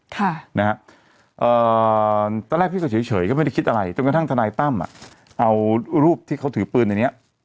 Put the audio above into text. ตั้งแต่แล้วพี่เค้าเฉยก็ไม่ได้คิดอะไรจนกระทั่งท่านทนายตั้มเอารูปที่เขาถือปืนเนี้ย